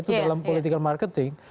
itu dalam politikal marketing